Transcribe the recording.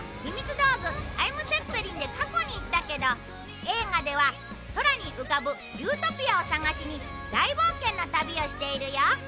道具タイムツェッペリンで過去に行ったけど映画では空に浮かぶユートピアを探しに大冒険の旅をしているよ。